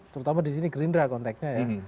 terutama di sini gerindra konteknya ya